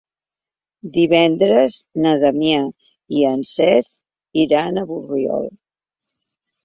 Divendres na Damià i en Cesc iran a Borriol.